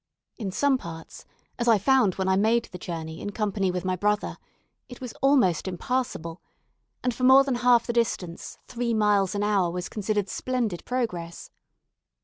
In some parts as I found when I made the journey, in company with my brother it was almost impassable; and for more than half the distance, three miles an hour was considered splendid progress.